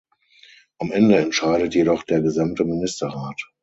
Am Ende entscheidet jedoch der gesamte Ministerrat.